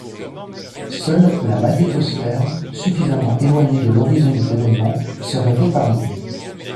Seule la magnétosphère, suffisamment éloignée de l'horizon des événements, serait épargnée.